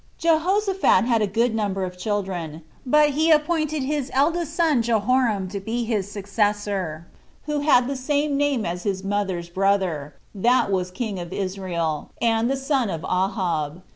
1. Jehoshapat had a good number of children; but he appointed his eldest son Jehoram to be his successor, who had the same name with his mother's brother, that was king of Israel, and the son of Ahab.